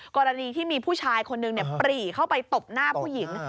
กรณีที่มีผู้ชายคนหนึ่งปรีเข้าไปตบหน้าผู้หญิง